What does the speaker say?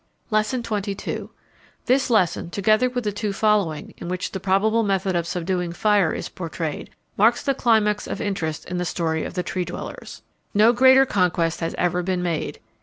Lesson XXII. This lesson, together with the two following, in which the probable method of subduing fire is portrayed, marks the climax of interest in the story of the Tree dwellers. No greater conquest has ever been made.